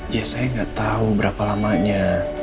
ya saya gak tau berapa lamanya